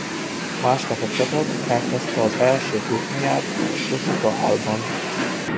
Másnap a csapat elkezdte az első turnéját az Osaka Hall-ban.